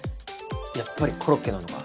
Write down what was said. やっぱりコロッケなのか？